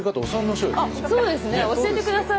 そうですね教えて下さいよ。